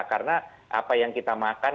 karena apa yang kita makan